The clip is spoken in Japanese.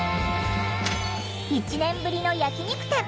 １年ぶりの焼き肉店。